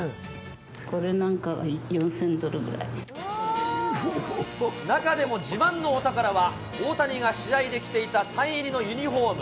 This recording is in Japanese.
これなんか、４０００ドルぐ中でも自慢のお宝は、大谷が試合で着ていたサイン入りのユニホーム。